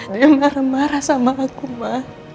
dia marah marah sama aku mah